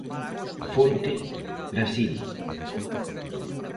Fonte: "Brasil".